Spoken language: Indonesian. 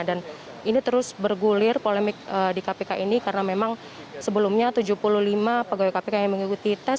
dan ini terus bergulir polemik di kpk ini karena memang sebelumnya tujuh puluh lima pegawai kpk yang mengikuti tes